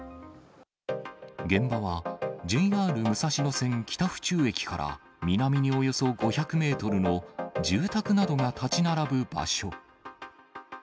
現場は、ＪＲ武蔵野線北府中駅から南におよそ５００メートルの、住宅などが建ち並ぶ場所。